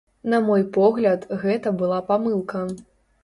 На мой погляд, гэта была памылка.